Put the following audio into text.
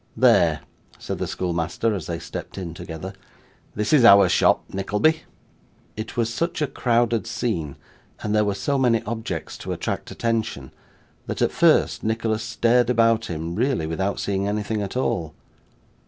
'There,' said the schoolmaster as they stepped in together; 'this is our shop, Nickleby!' It was such a crowded scene, and there were so many objects to attract attention, that, at first, Nicholas stared about him, really without seeing anything at all.